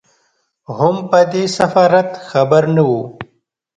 هم په دې سفارت خبر نه وو.